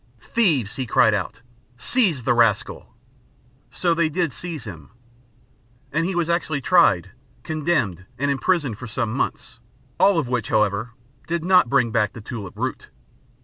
"Thieves!" he cried out "Seize the rascal!" So they did seize him, and he was actually tried, condemned and imprisoned for some months, all of which however did not bring back the tulip root.